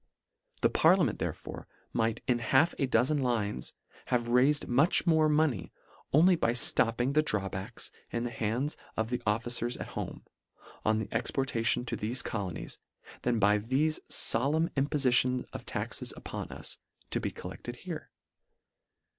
The Parliament therefore might in half a dozen lines have raifed much more money only by flopping the drawbacks in the hands of the officers at home, on exportation to thefe colonies, than by this folemn impofi tion of taxes upon us, to be collected here.